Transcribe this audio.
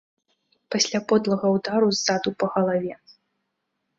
Пасля подлага ўдару ззаду па галаве.